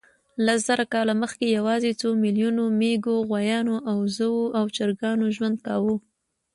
لس زره کاله مخکې یواځې څو میلیونو مېږو، غویانو، اوزو او چرګانو ژوند کاوه.